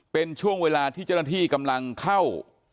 เป็นช่วงเวลาที่เจ้าหน้าที่กำลังเข้า